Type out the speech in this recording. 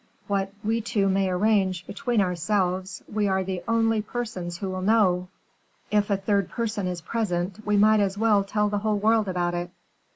What we two may arrange between ourselves, we are the only persons who will know if a third person is present we might as well tell the whole world about it.